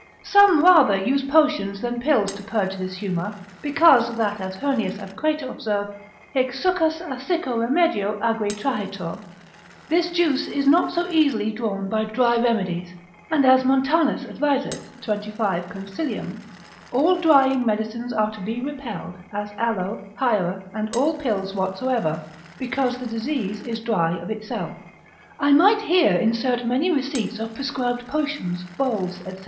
Some rather use potions than pills to purge this humour, because that as Heurnius and Crato observe, hic succus a sicco remedio agre trahitur, this juice is not so easily drawn by dry remedies, and as Montanus adviseth 25 cons. All drying medicines are to be repelled, as aloe, hiera, and all pills whatsoever, because the disease is dry of itself. I might here insert many receipts of prescribed potions, boles, &c.